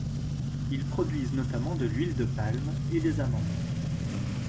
Ils produisent notamment de l'huile de palme et des amandes.